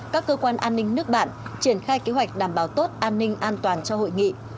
các cơ quan an ninh nước bạn triển khai kế hoạch đảm bảo tốt an ninh an toàn cho hội nghị